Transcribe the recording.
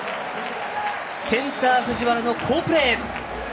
センター・藤原の好プレー！